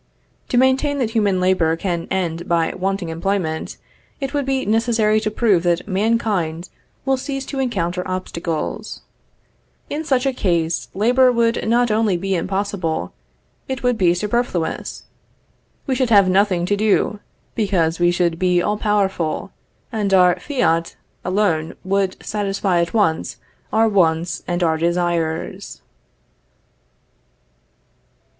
To maintain that human labor can end by wanting employment, it would be necessary to prove that mankind will cease to encounter obstacles. In such a case, labor would be not only impossible, it would be superfluous. We should have nothing to do, because we should be all powerful, and our fiat alone would satisfy at once our wants and our desires.